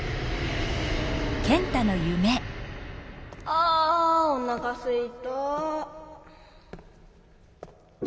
あおなかすいた。